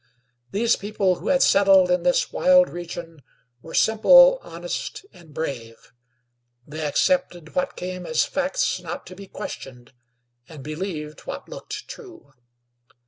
These people who had settled in this wild region were simple, honest and brave; they accepted what came as facts not to be questioned, and believed what looked true.